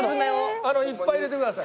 いっぱい入れてください。